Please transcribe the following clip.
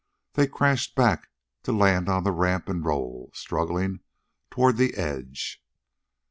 They crashed back, to land on the ramp and roll, struggling, toward the edge.